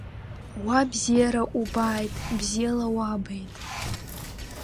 Уа бзиара убааит, бзиала уаабеит!